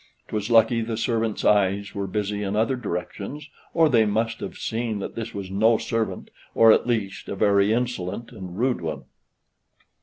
'Twas lucky the servants' eyes were busy in other directions, or they must have seen that this was no servant, or at least a very insolent and rude one.